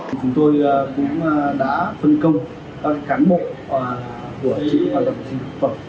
chúng tôi cũng đã phân công các khán bộ của trị hoạt động vệ sinh thực phẩm